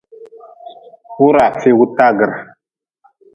Wuraa feegu taagre.